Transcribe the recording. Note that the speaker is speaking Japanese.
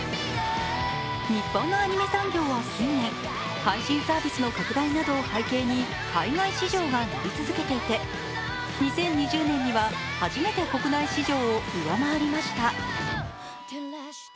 日本のアニメ産業は近年、配信サービスの拡大などを背景に海外市場が伸び続けていて、２０２０年には初めて国内市場を上回りました。